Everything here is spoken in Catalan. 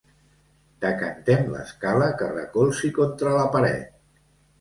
Decantem l'escala, que recolzi contra la paret.